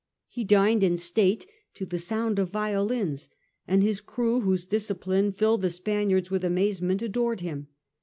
He dined in state to the sound of violins, and his crew, whose discipline filled the Spaniards with amazement, adored him.